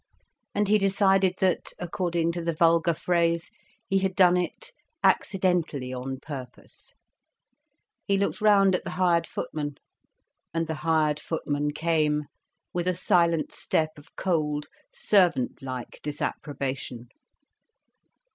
And he decided that, according to the vulgar phrase, he had done it "accidentally on purpose." He looked round at the hired footman. And the hired footman came, with a silent step of cold servant like disapprobation.